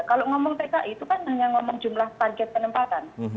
kalau ngomong tki itu kan hanya ngomong jumlah target penempatan